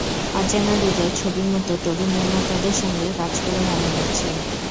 অচেনা হৃদয় ছবির মতো তরুণ নির্মাতাদের সঙ্গে কাজ করে ভালো লাগছে।